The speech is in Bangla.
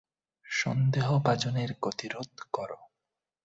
সন্দেহভাজনের গতিরোধ কর।